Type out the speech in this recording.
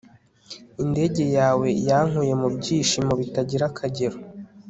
indege yawe yankuye mu byishimo bitagira akagero